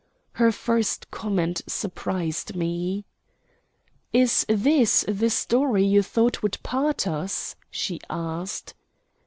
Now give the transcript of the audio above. Her first comment surprised me. "Is this the story you thought would part us?" she asked.